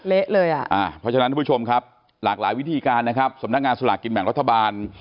เพราะฉะนั้นทุกผู้ชมครับหลากหลายวิธีการนะครับสำนักงานสลากกินแบ่งรัฐบาล